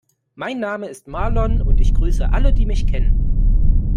Mein Name ist Marlon und ich grüße alle, die mich kennen.